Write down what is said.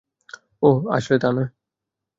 ওহ - আসলে তা না।